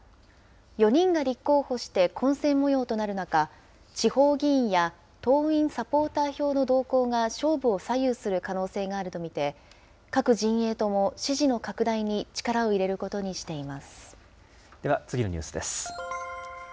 ４人が立候補して、混戦もようとなる中、地方議員や党員・サポーター票の動向が勝負を左右する可能性があると見て、各陣営とも支持の拡大に力を入れでは、次のニュースです。